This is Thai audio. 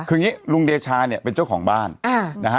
คืออย่างนี้ลุงเดชาเนี่ยเป็นเจ้าของบ้านนะฮะ